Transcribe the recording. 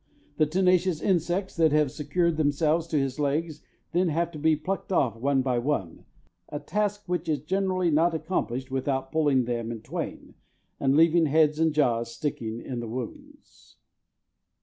The tenacious insects that have secured themselves to his legs then have to be plucked off one by one a task which is generally not accomplished without pulling them in twain, and leaving heads and jaws sticking in the wounds.